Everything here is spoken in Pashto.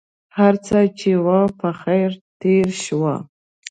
هرڅه چې و په خیر تېر شو.